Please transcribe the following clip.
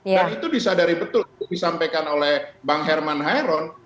dan itu disadari betul disampaikan oleh bang herman hairon